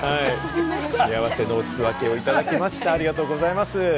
幸せのお裾分けをいただきましてありがとうございます。